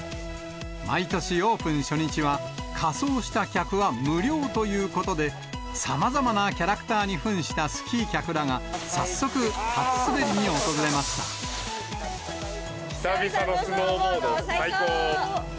毎年オープン初日は、仮装した客は無料ということで、さまざまなキャラクターにふんしたスキー客らが早速、久々のスノーボード、最高！